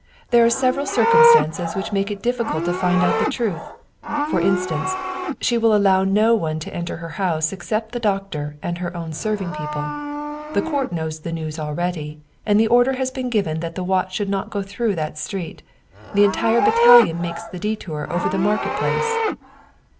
There are several circumstances which make it difficult to find out the truth. For instance, she will allow nobody to enter her house except the doctor and her own serving people. The court knows the news already, and the order has been given that the watch should not go through that street. The entire battalion makes the detour over the market place."